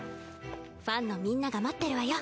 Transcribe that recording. ファンのみんなが待ってるわよ。